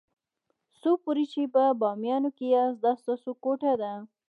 څو پورې چې په بامیانو کې یاست دا ستاسو کوټه ده.